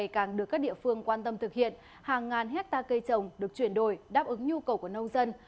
càng được các địa phương quan tâm thực hiện hàng ngàn hectare cây trồng được chuyển đổi đáp ứng nhu cầu của nông dân